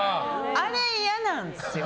あれ、嫌なんっすよ。